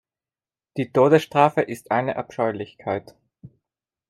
Die Todesstrafe ist eine Abscheulichkeit.